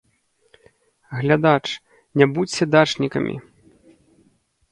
Глядач, не будзьце дачнікамі!